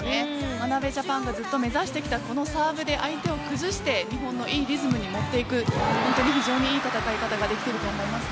眞鍋ジャパンがずっと目指してきたサーブで相手を崩して日本の、いいリズムに持っていく非常にいい戦い方ができていると思います。